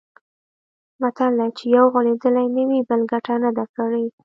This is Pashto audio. متل دی: چې یو غولېدلی نه وي، بل ګټه نه ده کړې.